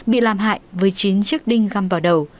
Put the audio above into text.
bị làm hại với chín chiếc đinh găm vào đầu